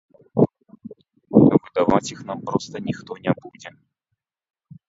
Выдаваць іх нам проста ніхто не будзе!